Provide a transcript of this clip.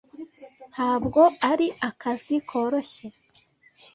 Ntabwo ari akazi koroshye.